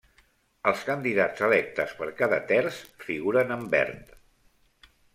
Els candidats electes per cada terç figuren en verd.